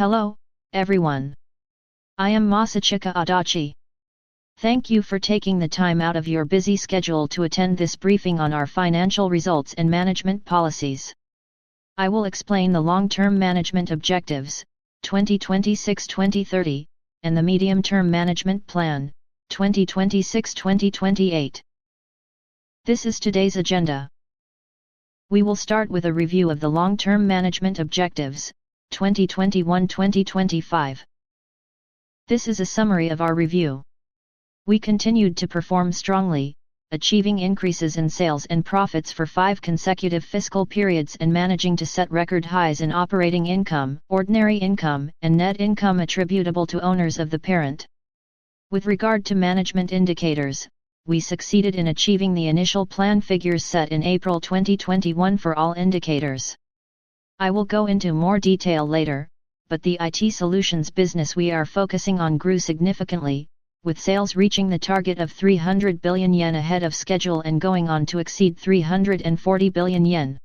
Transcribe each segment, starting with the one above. Hello, everyone. I am Masachika Adachi. Thank you for taking the time out of your busy schedule to attend this briefing on our financial results and management policies. I will explain the long-term management objectives, 2026, 2030, and the medium-term management plan, 2026-2028. This is today's agenda. We will start with a review of the long-term management objectives, 2021-2025. This is a summary of our review. We continued to perform strongly, achieving increases in sales and profits for five consecutive fiscal periods and managing to set record highs in operating income, ordinary income, and net income attributable to owners of the parent. With regard to management indicators, we succeeded in achieving the initial plan figures set in April 2021 for all indicators. I will go into more detail later, but the IT Solutions business we are focusing on grew significantly, with sales reaching the target of 300 billion yen ahead of schedule and going on to exceed 340 billion yen.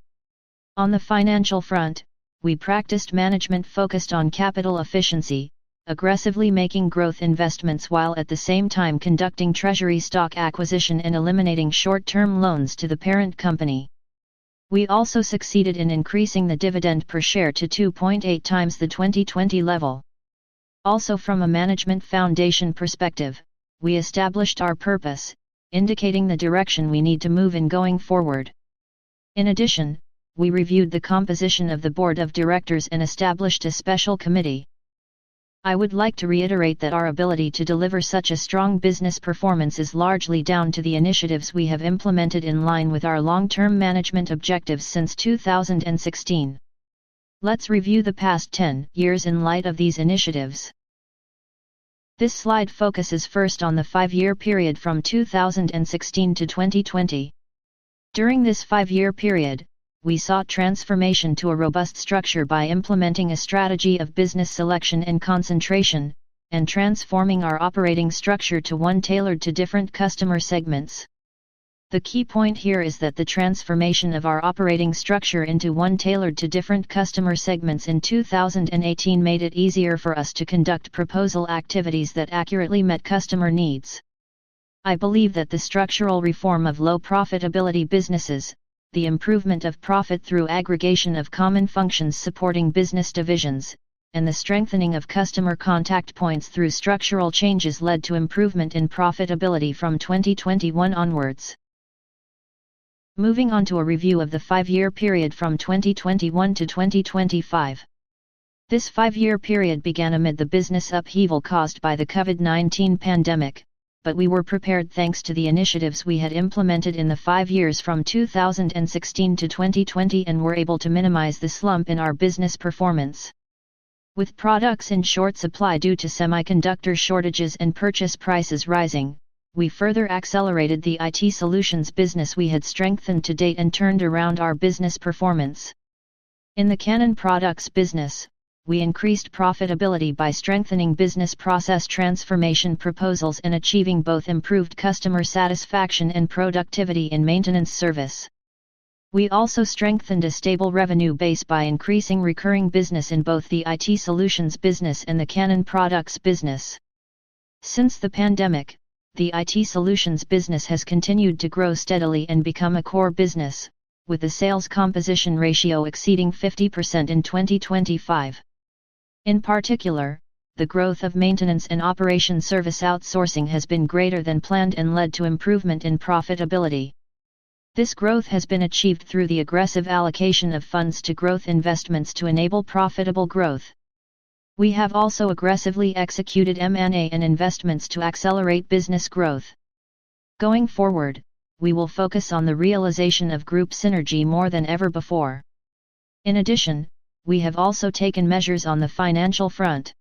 On the financial front, we practiced management focused on capital efficiency, aggressively making growth investments while at the same time conducting treasury stock acquisition and eliminating short-term loans to the parent company. We also succeeded in increasing the dividend per share to 2.8x the 2020 level. Also from a management foundation perspective, we established our purpose, indicating the direction we need to move in going forward. In addition, we reviewed the composition of the board of directors and established a special committee. I would like to reiterate that our ability to deliver such a strong business performance is largely down to the initiatives we have implemented in line with our long-term management objectives since 2016. Let's review the past 10 years in light of these initiatives. This slide focuses first on the five-year period from 2016 to 2020. During this five-year period, we sought transformation to a robust structure by implementing a strategy of business selection and concentration and transforming our operating structure to one tailored to different customer segments. The key point here is that the transformation of our operating structure into one tailored to different customer segments in 2018 made it easier for us to conduct proposal activities that accurately met customer needs. I believe that the structural reform of low profitability businesses, the improvement of profit through aggregation of common functions supporting business divisions, and the strengthening of customer contact points through structural changes led to improvement in profitability from 2021 onwards. Moving on to a review of the five-year period from 2021 to 2025. This five-year period began amid the business upheaval caused by the COVID-19 pandemic, but we were prepared thanks to the initiatives we had implemented in the five years from 2016 to 2020 and were able to minimize the slump in our business performance. With products in short supply due to semiconductor shortages and purchase prices rising, we further accelerated the IT Solutions business we had strengthened to date and turned around our business performance. In the Canon products business, we increased profitability by strengthening business process transformation proposals and achieving both improved customer satisfaction and productivity in maintenance service. We also strengthened a stable revenue base by increasing recurring business in both the IT Solutions business and the Canon products business. Since the pandemic, the IT Solutions business has continued to grow steadily and become a core business, with a sales composition ratio exceeding 50% in 2025. In particular, the growth of maintenance and operation service outsourcing has been greater than planned and led to improvement in profitability. This growth has been achieved through the aggressive allocation of funds to growth investments to enable profitable growth. We have also aggressively executed M&A and investments to accelerate business growth. Going forward, we will focus on the realization of group synergy more than ever before. In addition, we have also taken measures on the financial front.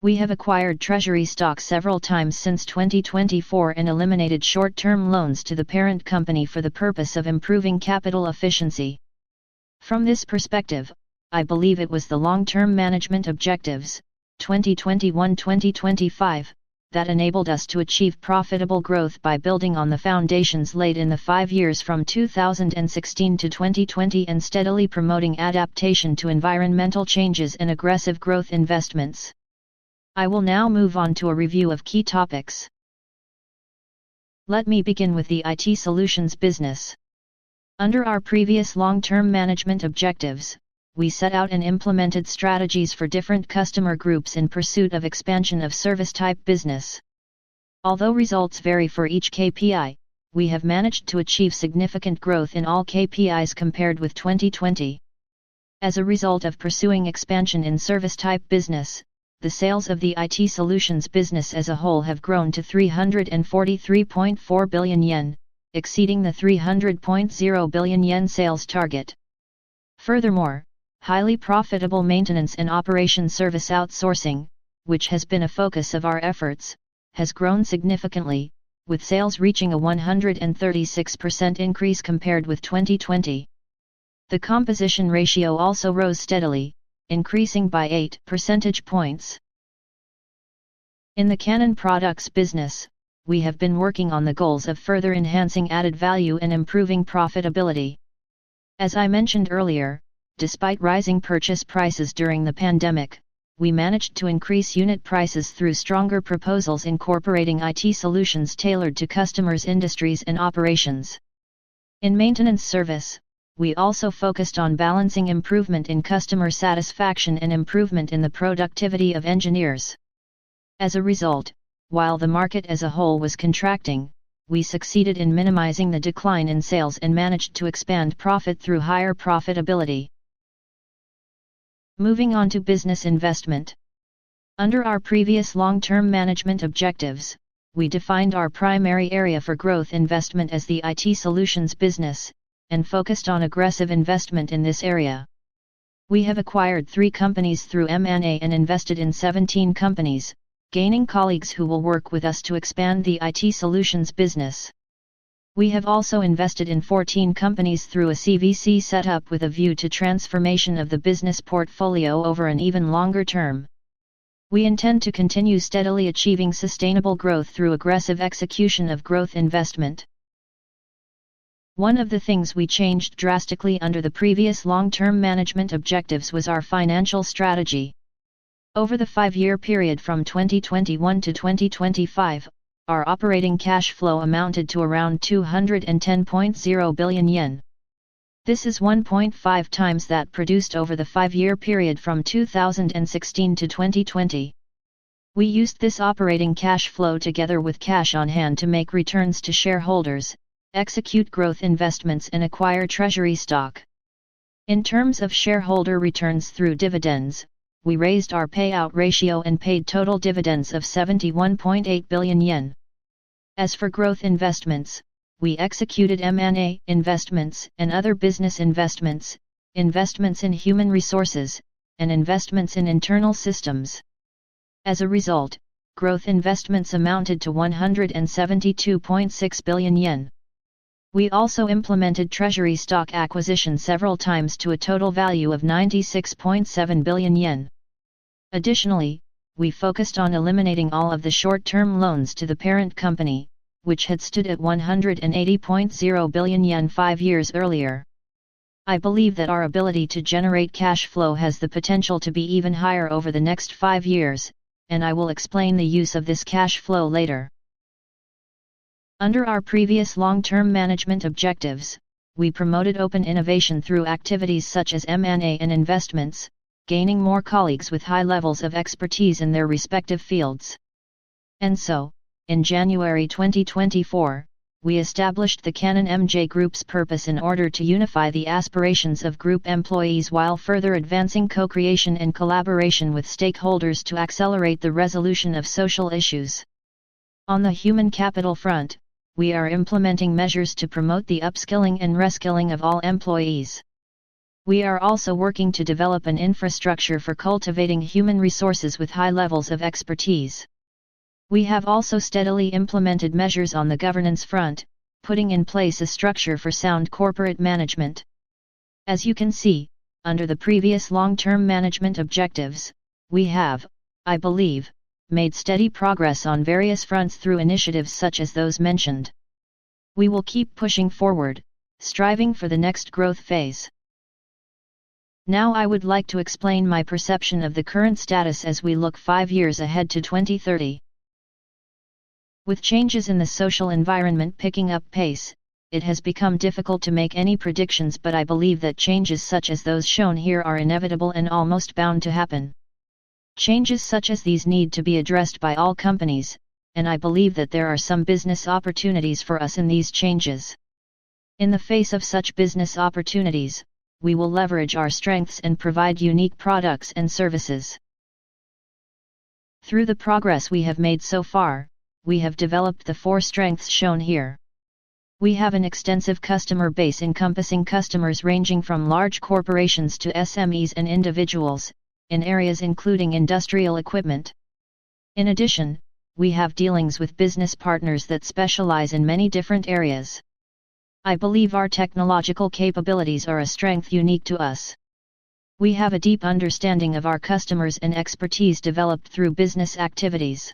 We have acquired treasury stock several times since 2024 and eliminated short-term loans to the parent company for the purpose of improving capital efficiency. From this perspective, I believe it was the long-term management objectives, 2021, 2025, that enabled us to achieve profitable growth by building on the foundations laid in the five years from 2016 to 2020 and steadily promoting adaptation to environmental changes and aggressive growth investments. I will now move on to a review of key topics. Let me begin with the IT Solutions business. Under our previous long-term management objectives, we set out and implemented strategies for different customer groups in pursuit of expansion of service type business. Although results vary for each KPI, we have managed to achieve significant growth in all KPIs compared with 2020. As a result of pursuing expansion in service type business, the sales of the IT Solutions business as a whole have grown to 343.4 billion yen, exceeding the 300.0 billion yen sales target. Furthermore, highly profitable maintenance and operation service outsourcing, which has been a focus of our efforts, has grown significantly, with sales reaching a 136% increase compared with 2020. The composition ratio also rose steadily, increasing by 8 percentage points. In the Canon products business, we have been working on the goals of further enhancing added value and improving profitability. As I mentioned earlier, despite rising purchase prices during the pandemic, we managed to increase unit prices through stronger proposals incorporating IT solutions tailored to customers' industries and operations. In maintenance service, we also focused on balancing improvement in customer satisfaction and improvement in the productivity of engineers. As a result, while the market as a whole was contracting, we succeeded in minimizing the decline in sales and managed to expand profit through higher profitability. Moving on to business investment. Under our previous long-term management objectives, we defined our primary area for growth investment as the IT Solutions business and focused on aggressive investment in this area. We have acquired three companies through M&A and invested in 17 companies, gaining colleagues who will work with us to expand the IT Solutions business. We have also invested in 14 companies through a CVC setup with a view to transformation of the business portfolio over an even longer term. We intend to continue steadily achieving sustainable growth through aggressive execution of growth investment. One of the things we changed drastically under the previous long-term management objectives was our financial strategy. Over the five-year period from 2021 to 2025, our operating cash flow amounted to around 210.0 billion yen. This is 1.5x that produced over the five-year period from 2016 to 2020. We used this operating cash flow together with cash on hand to make returns to shareholders, execute growth investments, and acquire treasury stock. In terms of shareholder returns through dividends, we raised our payout ratio and paid total dividends of 71.8 billion yen. As for growth investments, we executed M&A, investments and other business investments in human resources, and investments in internal systems. As a result, growth investments amounted to 172.6 billion yen. We also implemented treasury stock acquisition several times to a total value of 96.7 billion yen. Additionally, we focused on eliminating all of the short-term loans to the parent company, which had stood at 180.0 billion yen five years earlier. I believe that our ability to generate cash flow has the potential to be even higher over the next five years, and I will explain the use of this cash flow later. Under our previous long-term management objectives, we promoted open innovation through activities such as M&A and investments, gaining more colleagues with high levels of expertise in their respective fields. In January 2024, we established the Canon MJ Group's purpose in order to unify the aspirations of group employees while further advancing co-creation and collaboration with stakeholders to accelerate the resolution of social issues. On the human capital front, we are implementing measures to promote the upskilling and reskilling of all employees. We are also working to develop an infrastructure for cultivating human resources with high levels of expertise. We have also steadily implemented measures on the governance front, putting in place a structure for sound corporate management. As you can see, under the previous long-term management objectives, we have, I believe, made steady progress on various fronts through initiatives such as those mentioned. We will keep pushing forward, striving for the next growth phase. Now, I would like to explain my perception of the current status as we look five years ahead to 2030. With changes in the social environment picking up pace, it has become difficult to make any predictions, but I believe that changes such as those shown here are inevitable and almost bound to happen. Changes such as these need to be addressed by all companies, and I believe that there are some business opportunities for us in these changes. In the face of such business opportunities, we will leverage our strengths and provide unique products and services. Through the progress we have made so far, we have developed the four strengths shown here. We have an extensive customer base encompassing customers ranging from large corporations to SMEs and individuals in areas including industrial equipment. In addition, we have dealings with business partners that specialize in many different areas. I believe our technological capabilities are a strength unique to us. We have a deep understanding of our customers and expertise developed through business activities.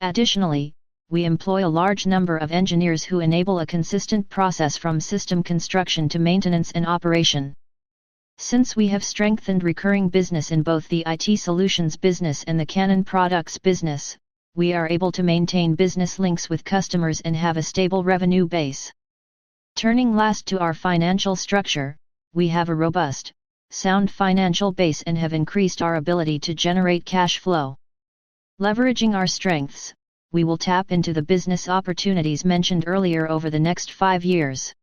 Additionally, we employ a large number of engineers who enable a consistent process from system construction to maintenance and operation. Since we have strengthened recurring business in both the IT Solutions business and the Canon products business, we are able to maintain business links with customers and have a stable revenue base. Turning last to our financial structure, we have a robust, sound financial base and have increased our ability to generate cash flow. Leveraging our strengths, we will tap into the business opportunities mentioned earlier over the next five years.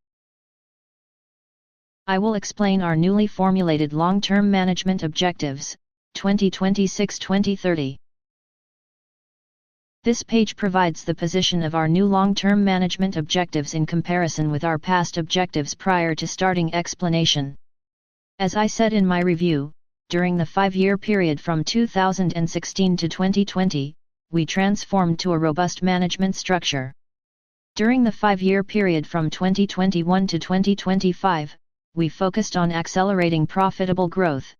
I will explain our newly formulated long-term management objectives 2026, 2030. This page provides the position of our new long-term management objectives in comparison with our past objectives prior to starting explanation. As I said in my review, during the five-year period from 2016 to 2020, we transformed to a robust management structure. During the five-year period from 2021 to 2025, we focused on accelerating profitable growth.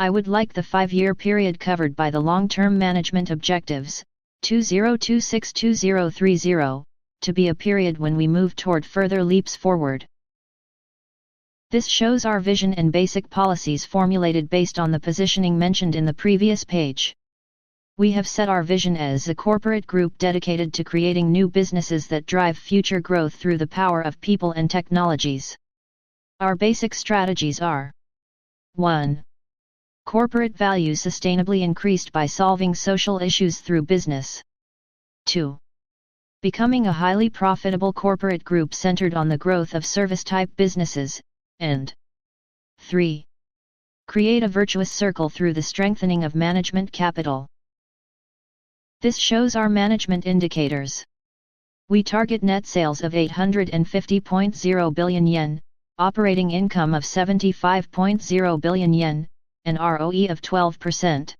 I would like the five-year period covered by the long-term management objectives, 2026-2030, to be a period when we move toward further leaps forward. This shows our vision and basic policies formulated based on the positioning mentioned in the previous page. We have set our vision as a corporate group dedicated to creating new businesses that drive future growth through the power of people and technologies. Our basic strategies are one, corporate value sustainably increased by solving social issues through business. Two, becoming a highly profitable corporate group centered on the growth of service-type businesses. Three, create a virtuous circle through the strengthening of management capital. This shows our management indicators. We target net sales of 850.0 billion yen, operating income of 75.0 billion yen, and ROE of 12%.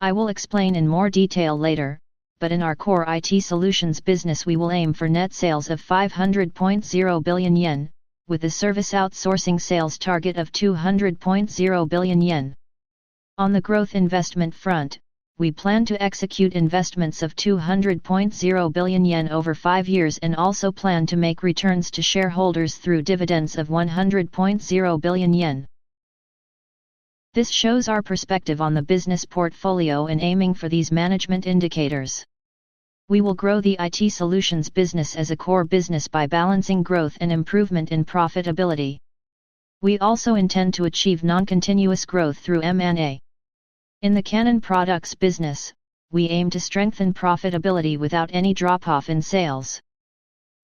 I will explain in more detail later, but in our core IT Solutions business, we will aim for net sales of 500.0 billion yen with a service outsourcing sales target of 200.0 billion yen. On the growth investment front, we plan to execute investments of 200.0 billion yen over five years and also plan to make returns to shareholders through dividends of 100.0 billion yen. This shows our perspective on the business portfolio and aiming for these management indicators. We will grow the IT Solutions business as a core business by balancing growth and improvement in profitability. We also intend to achieve non-continuous growth through M&A. In the Canon products business, we aim to strengthen profitability without any drop-off in sales.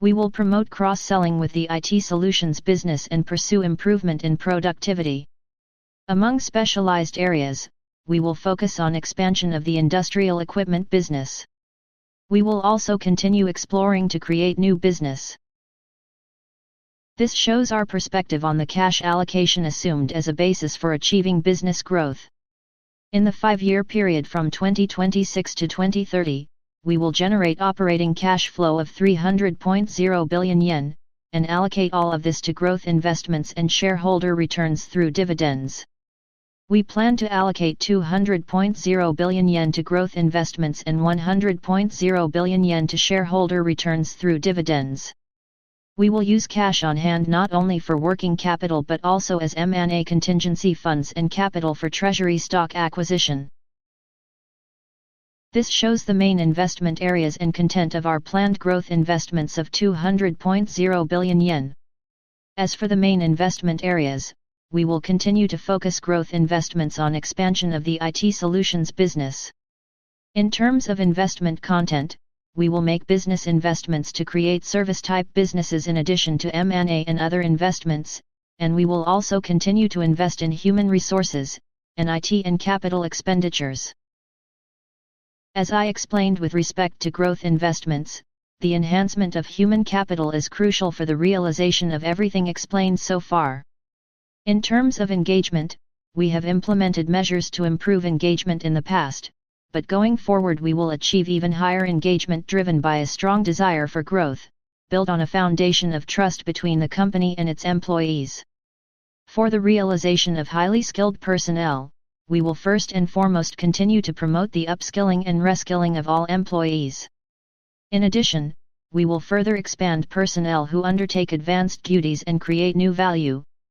We will promote cross-selling with the IT Solutions business and pursue improvement in productivity. Among specialized areas, we will focus on expansion of the industrial equipment business. We will also continue exploring to create new business. This shows our perspective on the cash allocation assumed as a basis for achieving business growth. In the five-year period from 2026 to 2030, we will generate operating cash flow of 300.0 billion yen and allocate all of this to growth investments and shareholder returns through dividends. We plan to allocate 200.0 billion yen to growth investments and 100.0 billion yen to shareholder returns through dividends. We will use cash on hand not only for working capital, but also as M&A contingency funds and capital for treasury stock acquisition. This shows the main investment areas and content of our planned growth investments of 200.0 billion yen. As for the main investment areas, we will continue to focus growth investments on expansion of the IT Solutions business. In terms of investment content, we will make business investments to create service-type businesses in addition to M&A and other investments, and we will also continue to invest in human resources and IT and capital expenditures. As I explained with respect to growth investments, the enhancement of human capital is crucial for the realization of everything explained so far. In terms of engagement, we have implemented measures to improve engagement in the past, but going forward, we will achieve even higher engagement driven by a strong desire for growth built on a foundation of trust between the company and its employees. For the realization of highly skilled personnel, we will first and foremost continue to promote the upskilling and reskilling of all employees. In addition, we will further expand personnel who undertake advanced duties and create new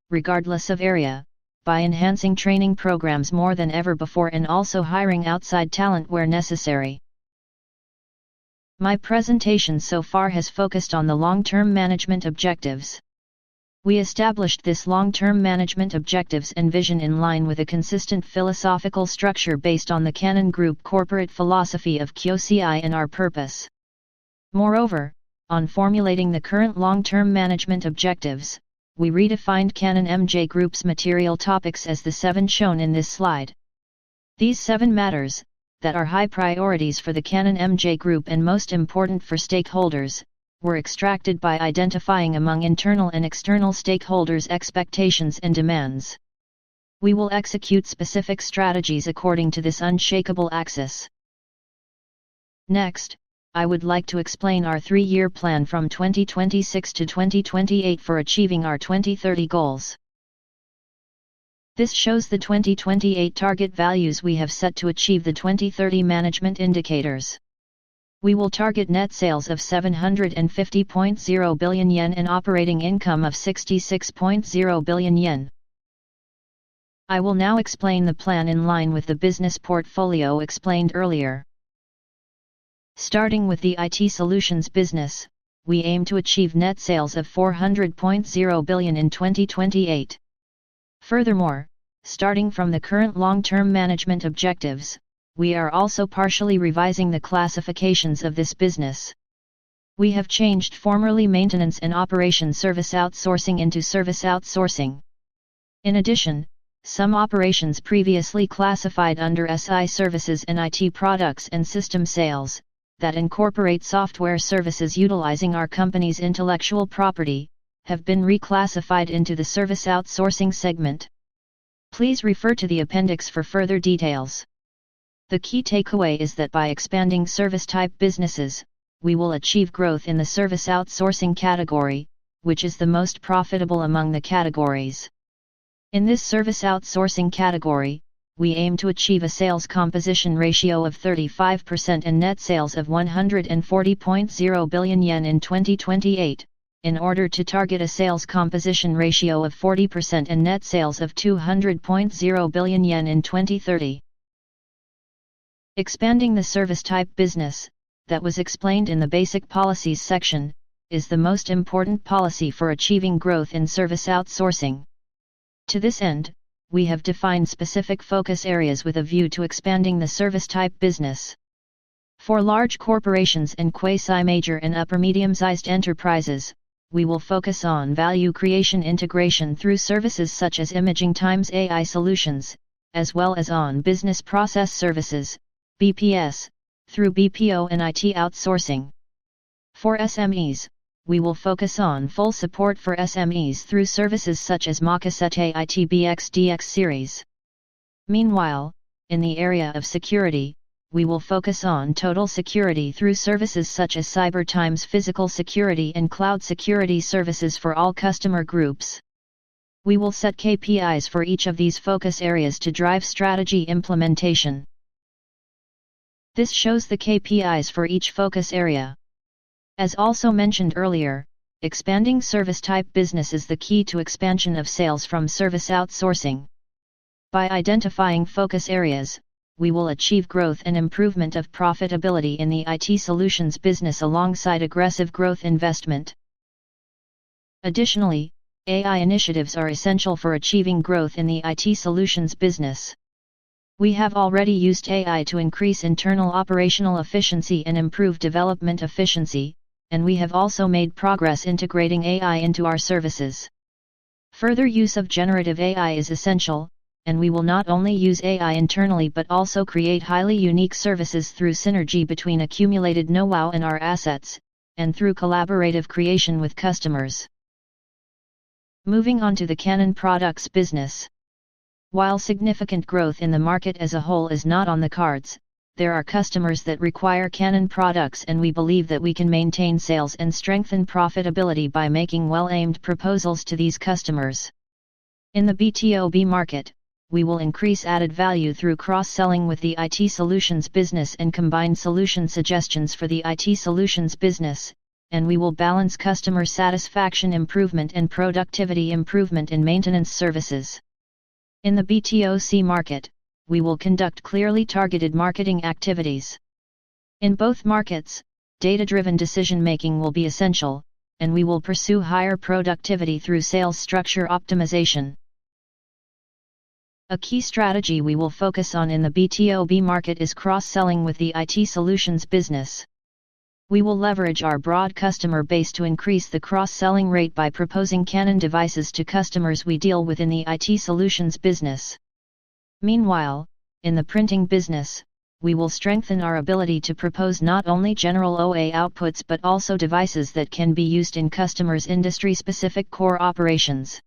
value regardless of area by enhancing training programs more than ever before, and also hiring outside talent where necessary. My presentation so far has focused on the long-term management objectives. We established this long-term management objectives and vision in line with a consistent philosophical structure based on the Canon Group corporate philosophy of Kyosei and our purpose. Moreover, on formulating the current long-term management objectives, we redefined Canon MJ Group's material topics as the seven shown in this slide. These seven matters that are high priorities for the Canon MJ Group and most important for stakeholders were extracted by identifying among internal and external stakeholders' expectations and demands. We will execute specific strategies according to this unshakable axis. Next, I would like to explain our three-year plan from 2026 to 2028 for achieving our 2030 goals. This shows the 2028 target values we have set to achieve the 2030 management indicators. We will target net sales of 750.0 billion yen and operating income of 66.0 billion yen. I will now explain the plan in line with the business portfolio explained earlier. Starting with the IT Solutions business, we aim to achieve net sales of 400.0 billion in 2028. Furthermore, starting from the current long-term management objectives, we are also partially revising the classifications of this business. We have changed formerly maintenance and operation service outsourcing into service outsourcing. In addition, some operations previously classified under SI services and IT products and system sales that incorporate software services utilizing our company's intellectual property have been reclassified into the service outsourcing segment. Please refer to the appendix for further details. The key takeaway is that by expanding service type businesses, we will achieve growth in the service outsourcing category, which is the most profitable among the categories. In this service outsourcing category, we aim to achieve a sales composition ratio of 35% and net sales of 140.0 billion yen in 2028 in order to target a sales composition ratio of 40% and net sales of 200.0 billion yen in 2030. Expanding the service type business that was explained in the basic policies section is the most important policy for achieving growth in service outsourcing. To this end, we have defined specific focus areas with a view to expanding the service-type business. For large corporations and quasi-major and upper-medium-sized enterprises, we will focus on value creation integration through services such as imaging x AI solutions, as well as on Business Process Services, BPS through BPO and IT outsourcing. For SMEs, we will focus on full support for SMEs through services such as Makasete IT DX series. Meanwhile, in the area of security, we will focus on total security through services such as cyber x physical security and cloud security services for all customer groups. We will set KPIs for each of these focus areas to drive strategy implementation. This shows the KPIs for each focus area. As also mentioned earlier, expanding service-type business is the key to expansion of sales from service outsourcing. By identifying focus areas, we will achieve growth and improvement of profitability in the IT Solutions business alongside aggressive growth investment. Additionally, AI initiatives are essential for achieving growth in the IT Solutions business. We have already used AI to increase internal operational efficiency and improve development efficiency, and we have also made progress integrating AI into our services. Further use of generative AI is essential, and we will not only use AI internally, but also create highly unique services through synergy between accumulated know-how and our assets and through collaborative creation with customers. Moving on to the Canon products business. While significant growth in the market as a whole is not on the cards, there are customers that require Canon products, and we believe that we can maintain sales and strengthen profitability by making well aimed proposals to these customers. In the B2B market, we will increase added value through cross-selling with the IT Solutions business and combined solution suggestions for the IT Solutions business. We will balance customer satisfaction improvement and productivity improvement in maintenance services. In the B2C market, we will conduct clearly targeted marketing activities. In both markets, data-driven decision making will be essential, and we will pursue higher productivity through sales structure optimization. A key strategy we will focus on in the B2B market is cross-selling with the IT Solutions business. We will leverage our broad customer base to increase the cross-selling rate by proposing Canon devices to customers we deal with in the IT Solutions business. Meanwhile, in the printing business, we will strengthen our ability to propose not only general OA outputs, but also devices that can be used in customer's industry-specific core operations.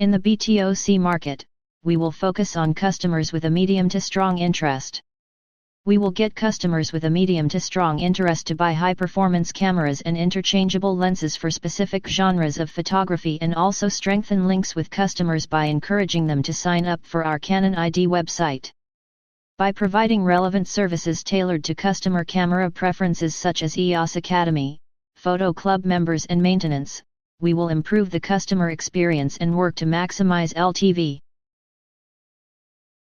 In the B2C market, we will focus on customers with a medium to strong interest. We will get customers with a medium to strong interest to buy high performance cameras and interchangeable lenses for specific genres of photography, and also strengthen links with customers by encouraging them to sign up for our Canon ID website. By providing relevant services tailored to customer camera preferences such as EOS Academy, Photo Club members and maintenance, we will improve the customer experience and work to maximize LTV.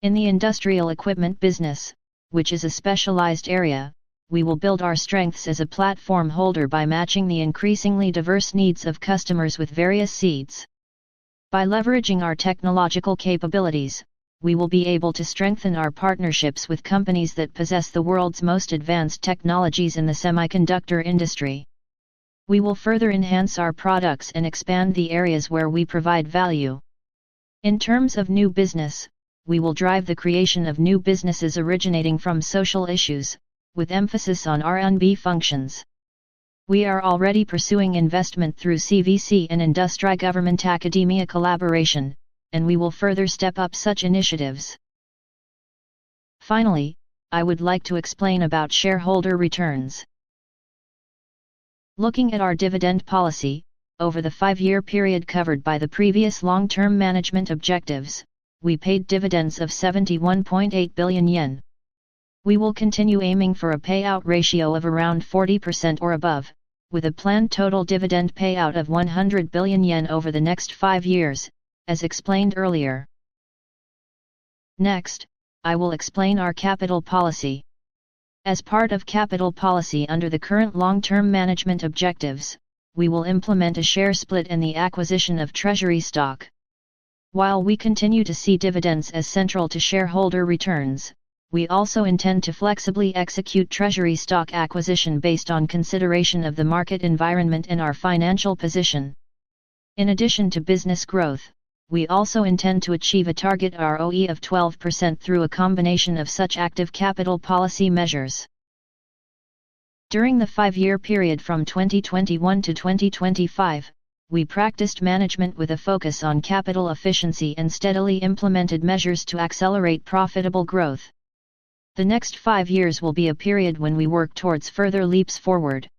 In the industrial equipment business, which is a specialized area, we will build our strengths as a platform holder by matching the increasingly diverse needs of customers with various seeds. By leveraging our technological capabilities, we will be able to strengthen our partnerships with companies that possess the world's most advanced technologies in the semiconductor industry. We will further enhance our products and expand the areas where we provide value. In terms of new business, we will drive the creation of new businesses originating from social issues, with emphasis on R&D functions. We are already pursuing investment through CVC and industry-government-academia collaboration, and we will further step up such initiatives. Finally, I would like to explain about shareholder returns. Looking at our dividend policy over the five-year period covered by the previous long-term management objectives, we paid dividends of 71.8 billion yen. We will continue aiming for a payout ratio of around 40% or above, with a planned total dividend payout of 100 billion yen over the next five years. As explained earlier. Next, I will explain our capital policy. As part of capital policy under the current long term management objectives, we will implement a share split and the acquisition of treasury stock. While we continue to see dividends as central to shareholder returns, we also intend to flexibly execute treasury stock acquisition based on consideration of the market environment and our financial position. In addition to business growth, we also intend to achieve a target ROE of 12% through a combination of such active capital policy measures. During the five-year period from 2021 to 2025, we practiced management with a focus on capital efficiency and steadily implemented measures to accelerate profitable growth. The next five years will be a period when we work towards further leaps forward.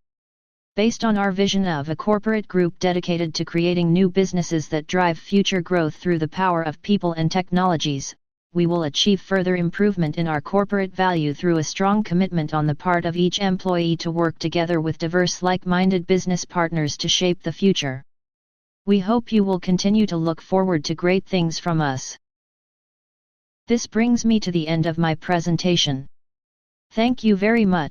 Based on our vision of a corporate group dedicated to creating new businesses that drive future growth through the power of people and technologies, we will achieve further improvement in our corporate value through a strong commitment on the part of each employee to work together with diverse, like-minded business partners to shape the future. We hope you will continue to look forward to great things from us. This brings me to the end of my presentation. Thank you very much.